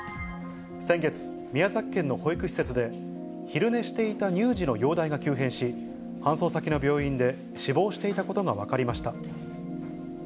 先月、宮崎県の保育施設で、昼寝していた乳児の容体が急変し、搬送先の病院で死亡していたことが分かりました。